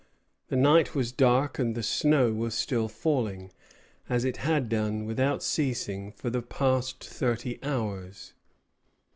The night was dark and the snow was still falling, as it had done without ceasing for the past thirty hours.